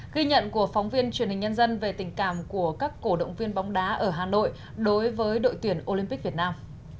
ghi nhận của phóng viên truyền hình nhân dân về tình cảm của các cổ động viên bóng đá ở hà nội đối với đội tuyển olympic việt nam